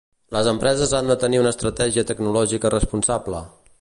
Les empreses han de tenir una estratègia tecnològica responsable.